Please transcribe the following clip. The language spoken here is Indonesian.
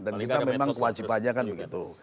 kita memang kewajibannya kan begitu